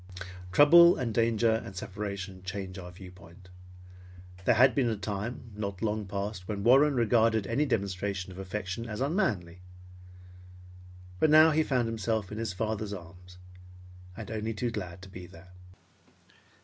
Trouble and danger and separation change our viewpoint. There had been a time not long past when Warren regarded any demonstration of affection as unmanly, but now he found himself in his father's arms and only too glad to be there.